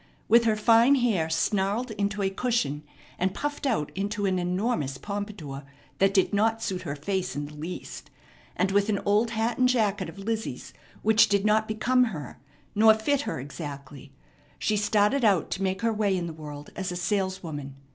With her fine hair snarled into a cushion and puffed out into an enormous pompadour that did not suit her face in the least, and with an old hat and jacket of Lizzie's which did not become her nor fit her exactly, she started out to make her way in the world as a saleswoman.